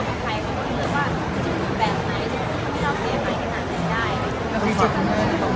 การการงานความรู้สึกที่เราแบบเป็นประสบการณ์ชีวิตอีกอย่างหนึ่งที่เราไม่ประสบ